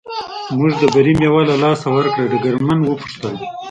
موږ د بري مېوه له لاسه ورکړه، ډګرمن و پوښتل.